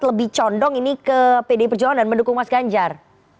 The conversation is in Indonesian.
lebih condong ini ke pdi perjuangan dan mendukung mas ganjar